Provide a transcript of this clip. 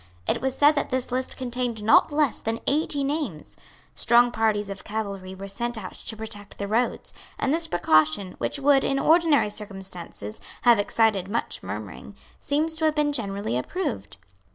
It was said that this list contained not less than eighty names. Strong parties of cavalry were sent out to protect the roads; and this precaution, which would, in ordinary circumstances, have excited much murmuring, seems to have been generally approved.